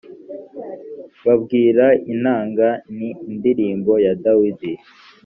babwira inanga ni indirimbo ya dawidi